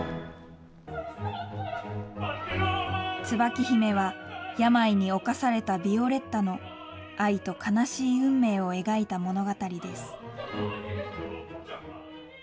椿姫は、病に侵されたヴィオレッタの愛と悲しい運命を描いた物語です。